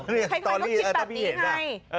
ใช่ใครก็คิดแบบนี้ไง